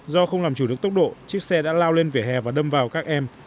do không làm chủ được tốc độ chiếc xe đã lao lên vỉa hè và đâm vào các em